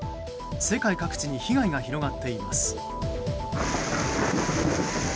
世界各地に被害が広がっています。